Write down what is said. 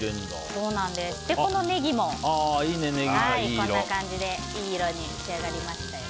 ネギも、こんな感じでいい色に仕上がりました。